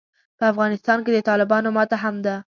په افغانستان کې د طالبانو ماته هم ده.